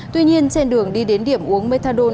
tuy nhiên trên đường đi đến điểm uống methadone